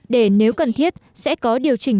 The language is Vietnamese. để nếu cần thiết sẽ có điều chỉnh